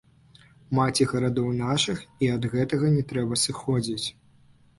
Маці гарадоў нашых, і ад гэтага не трэба сыходзіць.